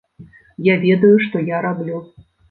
Я ведаю, што я раблю.